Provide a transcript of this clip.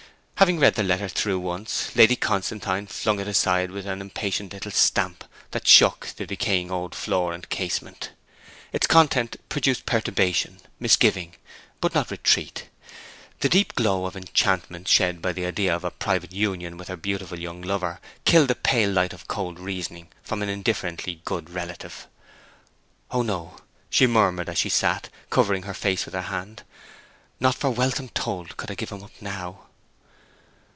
Having read the letter through once Lady Constantine flung it aside with an impatient little stamp that shook the decaying old floor and casement. Its contents produced perturbation, misgiving, but not retreat. The deep glow of enchantment shed by the idea of a private union with her beautiful young lover killed the pale light of cold reasoning from an indifferently good relative. 'Oh, no,' she murmured, as she sat, covering her face with her hand. 'Not for wealth untold could I give him up now!'